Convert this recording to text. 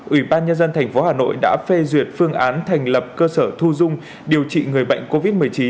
ủy ban nhân dân tp hà nội đã phê duyệt phương án thành lập cơ sở thu dung điều trị người bệnh covid một mươi chín